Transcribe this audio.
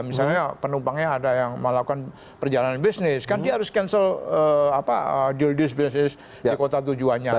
misalnya penumpangnya ada yang melakukan perjalanan bisnis kan dia harus cancel deal this business di kota tujuannya